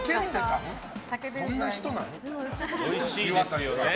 そんな人なの？